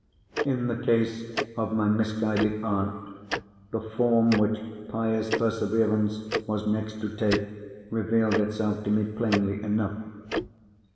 In the case of my misguided aunt, the form which pious perseverance was next to take revealed itself to me plainly enough.